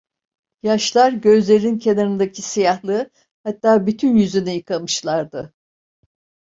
Yaşlar gözlerinin kenarındaki siyahlığı, hatta bütün yüzünü yıkamışlardı.